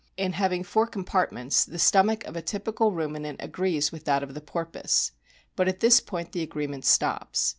In having four compartments the stomach of a typical ruminant agrees with that of the porpoise. But at this point the agreement stops.